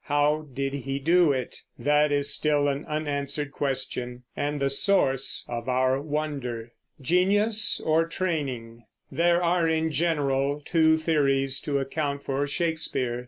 How did he do it? That is still an unanswered question and the source of our wonder. There are, in general, two theories to account for Shakespeare.